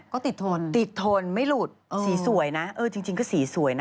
ก็ติดทนติดทนไม่หลุดสีสวยนะเออจริงก็สีสวยนะ